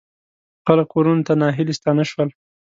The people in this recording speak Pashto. خلک کورونو ته ناهیلي ستانه شول.